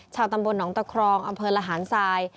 ตำบลหนองตะครองอำเภอระหารทราย